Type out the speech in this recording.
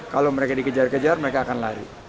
kalau mereka dikejar kejar mereka akan lari